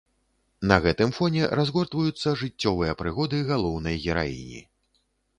На гэтым фоне разгортваюцца жыццёвыя прыгоды галоўнай гераіні.